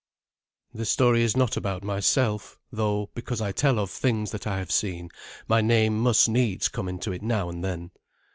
This story is not about myself, though, because I tell of things that I have seen, my name must needs come into it now and then.